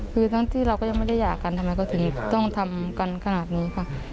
คือทั้งที่เราก็ยังไม่ได้หย่ากันทำไมก็ถึงต้องทำกันขนาดนี้ค่ะ